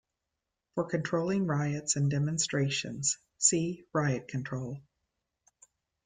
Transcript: For controlling riots and demonstrations, see riot control.